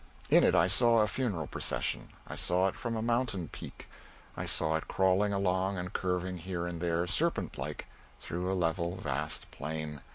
In it I saw a funeral procession; I saw it from a mountain peak; I saw it crawling along and curving here and there, serpentlike, through a level vast plain.